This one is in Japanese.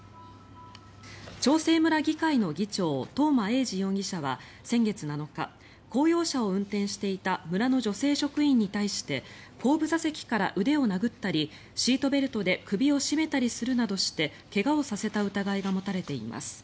長生村議会の議長東間永次容疑者は先月７日公用車を運転していた村の女性職員に対して後部座席から腕を殴ったりシートベルトで首を絞めたりするなどして怪我をさせた疑いが持たれています。